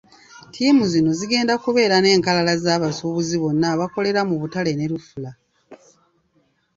Ttiimu zino zigenda kubeera n'enkalala z'abasuubuzi bonna abakolera mu butale ne Lufula